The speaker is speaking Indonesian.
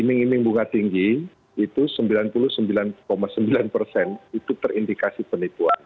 iming iming bunga tinggi itu sembilan puluh sembilan sembilan persen itu terindikasi penipuan